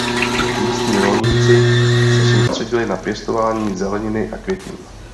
Místní rolníci se soustředili na pěstování zeleniny a květin.